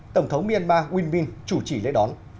tổng thống myanmar win min chủ trì lễ đón